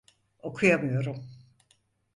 Okuyamıyorum.